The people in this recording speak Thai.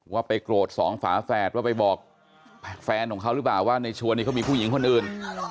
ว่าไปโกรธสองฝาแฝดว่าไปบอกแฟนของเขาหรือเปล่าว่าในชวนนี้เขามีผู้หญิงคนอื่น